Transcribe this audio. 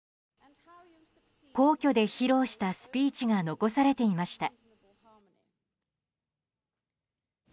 皇居で披露したスピーチが残されていました。